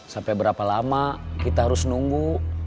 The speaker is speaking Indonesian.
sampai berapa lama kita harus nunggu